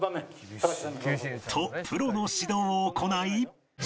とプロの指導を行い